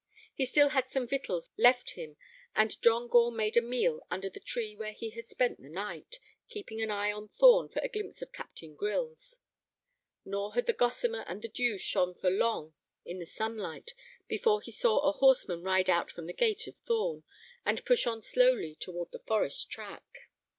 He still had some victuals left him, and John Gore made a meal under the tree where he had spent the night, keeping an eye on Thorn for a glimpse of Captain Grylls. Nor had the gossamer and the dew shone for long in the sunlight before he saw a horseman ride out from the gate of Thorn, and push on slowly toward the forest track.